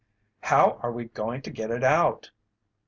"How are we going to get it out?"